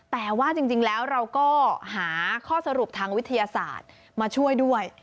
แต่ว่าจริงแล้วเราก็หาข้อสรุปทางวิทยาศาสตร์มาช่วยด้วย